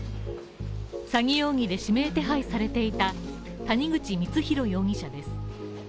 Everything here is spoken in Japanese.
詐欺容疑で指名手配されていた谷口光弘容疑者です。